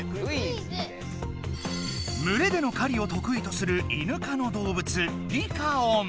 むれでの狩りをとくいとするイヌ科のどうぶつリカオン。